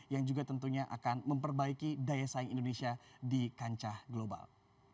yang juga tentunya akan memperbaiki daya saing indonesia di kancah global